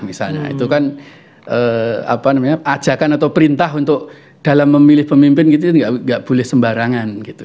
itu kan ajakan atau perintah untuk dalam memilih pemimpin itu tidak boleh sembarangan